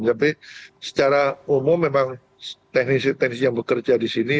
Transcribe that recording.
tapi secara umum memang teknisi teknis yang bekerja di sini